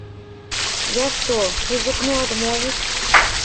Я што, рызыкну адмовіць?